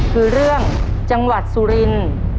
คือเรื่องจังหวัดสุรินทร์